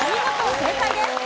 正解です。